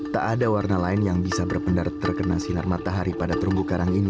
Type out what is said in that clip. tak ada warna lain yang bisa berpendarat terkena sinar matahari pada terumbu karang ini